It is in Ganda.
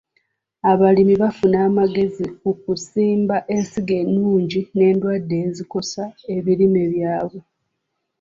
Abalimi bafuna amagezi ku kusimba ensigo ennungi n'endwadde ezikosa ebirime byabwe.